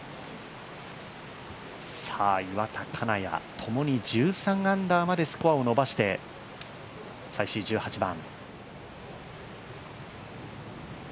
岩田、金谷、ともに１３アンダーまでスコアを伸ばして最終１８番。